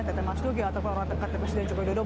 tete mas dugi atau orang terdekat presiden joko widodo